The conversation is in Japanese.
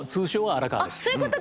荒川です。